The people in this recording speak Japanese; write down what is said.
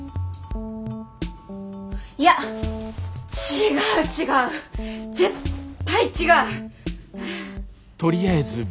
いや違う違う絶対違う！